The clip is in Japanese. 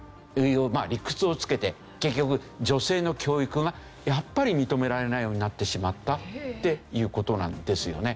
まあ理屈をつけて結局女性の教育がやっぱり認められないようになってしまったっていう事なんですよね。